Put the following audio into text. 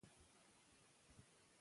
ښځه حق لري چې د بد چلند مخه ونیسي.